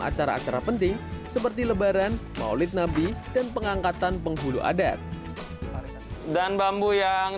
acara acara penting seperti lebaran maulid nabi dan pengangkatan penghulu adat dan bambu yang